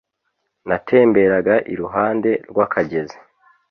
natemberaga iruhande rw'akagezi